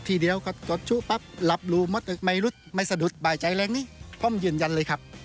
ทีเดียวก็จดชุปั๊บหลับรูมดไม่รู้ไม่สะดุดบ่ายใจแรงนี้พร้อมยืนยันเลยครับ